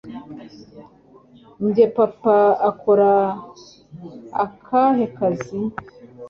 njye papa akora akahe kazi!